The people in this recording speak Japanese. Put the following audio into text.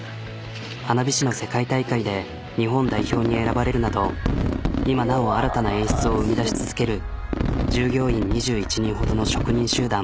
花火師の世界大会で日本代表に選ばれるなど今なお新たな演出を生み出し続ける従業員２１人ほどの職人集団。